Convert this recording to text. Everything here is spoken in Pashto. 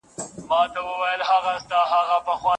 چي ښوونکي او ملا به را ښودله